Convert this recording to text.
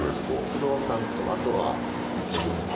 不動産とあとは。